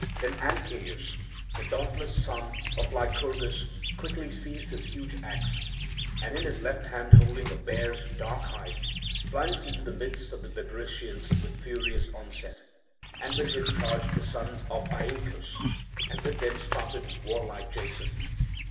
Then Ancaeus, the dauntless son of Lycurgus, quickly seized his huge axe, and in his left hand holding a bear's dark hide, plunged into the midst of the Bebrycians with furious onset; and with him charged the sons of Aeacus, and with them started warlike Jason.